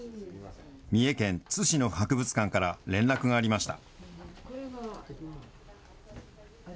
三重県津市の博物館から連絡がありました。